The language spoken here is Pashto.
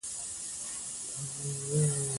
تاریخ د خپل ولس د سوکالۍ او ناخوښۍ يادښت دی.